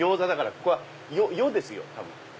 ここは「ヨ」ですよ多分。